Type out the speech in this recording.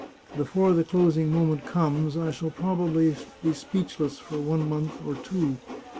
" Before the closing moment comes I shall probably be speechless for one month or two.